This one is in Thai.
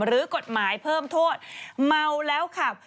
หรือกฎหมายเพิ่มโทษเมาแล้วขับ